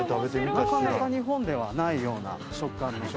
なかなか日本ではないような食感です。